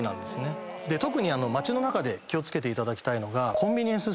特に街の中で気を付けていただきたいのが。